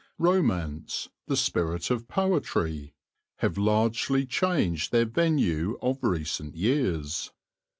Romance, the spirit of poetry, have largely changed their venue of recent years.